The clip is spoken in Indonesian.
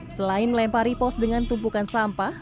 selain melempari pos dengan tumpukan sampah